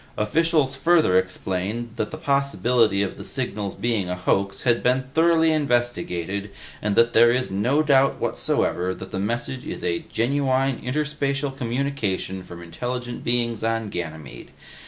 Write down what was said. Officials further explained that the possibility of the signal's being a hoax has been thoroughly investigated and that there is no doubt whatsoever that the message is a genuine interspatial communication from intelligent beings on Ganymede.